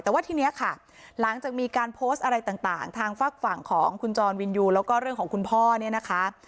แต่ว่าทีนี้ค่ะหลังจากมีการโพสต์อะไรต่างทางฝากฝั่งของคุณจรวินยูแล้วก็เรื่องของคุณพ่อเนี่ยนะคะ